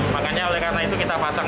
makanya oleh karena itu kita pasang